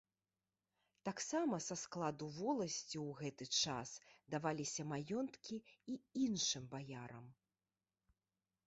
Таксама са складу воласці ў гэты час даваліся маёнткі і іншым баярам.